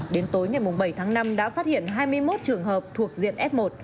đến tối ngày bảy tháng năm đã phát hiện hai mươi một trường hợp thuộc diện f một